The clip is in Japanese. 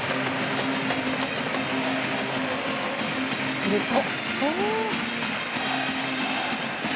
すると。